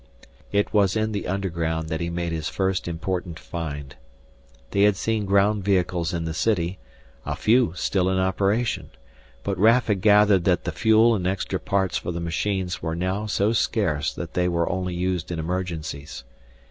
It was in the underground that he made his first important find. They had seen ground vehicles in the city, a few still in operation, but Raf had gathered that the fuel and extra parts for the machines were now so scarce that they were only used in emergencies.